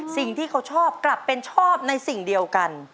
สิ่งที่เขาชอบกลับเป็นชอบในสิ่งเดียวกัน